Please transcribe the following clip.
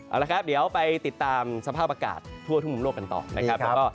เอาละครับเดี๋ยวไปติดตามสภาพอากาศทั่วทุ่มโลกกันต่อนะครับ